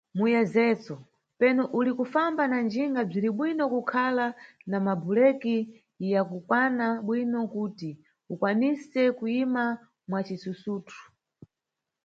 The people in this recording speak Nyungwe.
Muyezezo: Penu uli kufamba na njinga bziribwino kukhala na mabhuleki ya kukwana bwino kuti ukwanise kuyima mwa cisusutu.